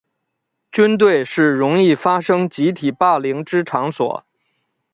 军队是容易发生集体霸凌之场所。